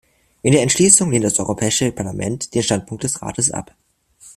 In der Entschließung lehnt das Europäische Parlament den Standpunkt des Rates ab.